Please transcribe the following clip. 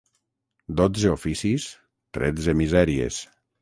Dotze oficis, tretze misèries.